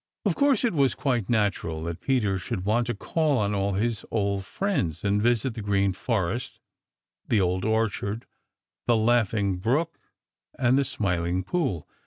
Of course it was quite natural that Peter should want to call on all his old friends and visit the Green Forest, the Old Orchard, the Laughing Brook, and the Smiling Pool.